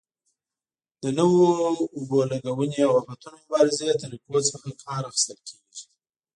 د نویو اوبه لګونې او آفتونو مبارزې طریقو څخه کار اخیستل کېږي.